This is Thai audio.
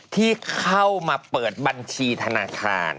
ที่เข้ามาเปิดบัญชีธนาคาร